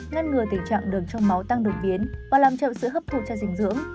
ngăn ngừa tình trạng đường trong máu tăng đột biến và làm chậm sự hấp thụ cho dinh dưỡng